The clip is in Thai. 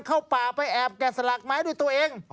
เข้าป่าไปแอบแกะสลักไม้ด้วยตัวเอง